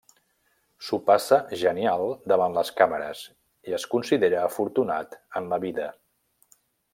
S'ho passa genial davant les càmeres i es considera afortunat en la vida.